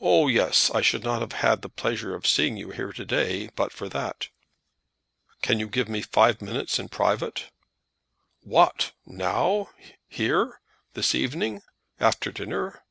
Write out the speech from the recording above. Oh, yes; I should not have had the pleasure of seeing you here to day but for that." "Can you give me five minutes in private?" "What! now! here! this evening! after dinner?